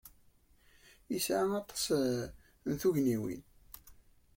Yesɛa aṭas n tugniwin.